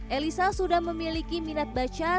elisa sudah memiliki minat baca